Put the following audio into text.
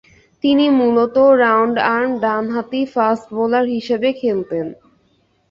তিনি মূলতঃ round arm ডানহাতি ফাস্ট বোলার হিসেবে খেলতেন।